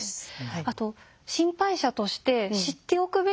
あと心配者として知っておくべきこと。